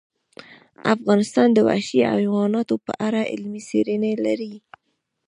افغانستان د وحشي حیوانات په اړه علمي څېړنې لري.